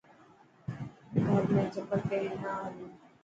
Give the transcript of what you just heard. گھر ۾ چپل پيري نا هل.